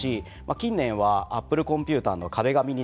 近年はアップルコンピューターの壁紙にですね